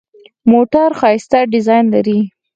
موټر ښایسته ډیزاین لري.